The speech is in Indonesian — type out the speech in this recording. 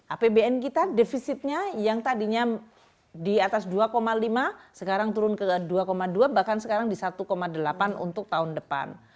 apbn kita defisitnya yang tadinya di atas dua lima sekarang turun ke dua dua bahkan sekarang di satu delapan untuk tahun depan